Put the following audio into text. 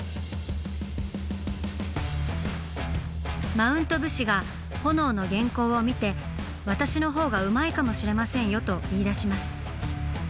マウント武士がホノオの原稿を見て「私のほうがうまいかもしれませんよ」と言いだします。